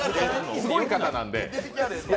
すごい方なんで。